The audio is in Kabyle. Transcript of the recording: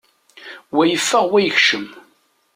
Wa yeffeɣ, wa yekcem.